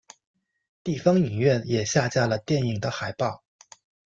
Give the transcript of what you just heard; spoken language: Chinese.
地方影院也下架了电影的海报。